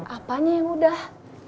apanya yang udah